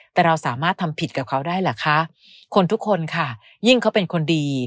แต่เราสามารถทำผิดกับเขาได้เหรอคะคนทุกคนค่ะยิ่งเขาเป็นคนดี